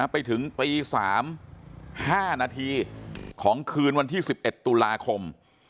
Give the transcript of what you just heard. ไปถึงตี๓๕นาทีของคืนวันที่๑๑ตุลาคม